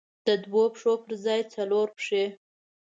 د دوو پښو پر ځای څلور پښې.